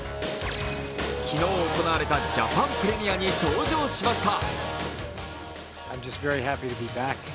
昨日行われたジャパンプレミアに登場しました。